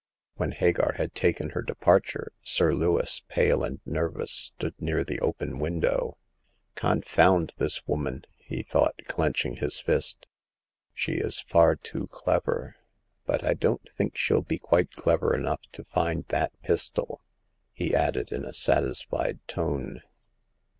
When Hagar had taken her departure. Sir Lewis, pale and nervous, stood near the open window. *' Confound this woman !" he thought, clenching his hand. She is far too clever ; but I don't think she'll be quite clever enough to find that pistol," he added, in a satisfied tone.